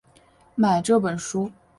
买这本书